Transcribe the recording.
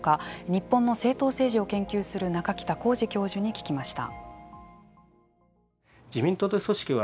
日本の政党政治を研究する中北浩爾教授に聞きました。